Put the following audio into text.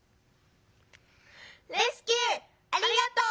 「レスキューありがとう！